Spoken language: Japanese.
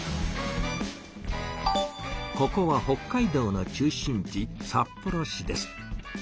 ここは北海道の中心地札幌市です。